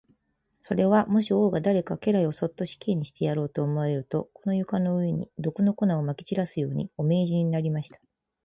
それは、もし王が誰か家来をそっと死刑にしてやろうと思われると、この床の上に、毒の粉をまき散らすように、お命じになります。